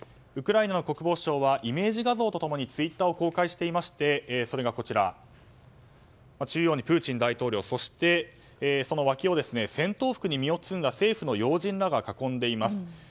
ウクライナの国防省はイメージ画像と共にツイッターを公開していまして中央にプーチン大統領そしてその脇を戦闘服に身を包んだ政府の要人らが囲んでいます。